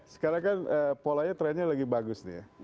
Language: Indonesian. sekarang kan polanya trennya lagi bagus nih ya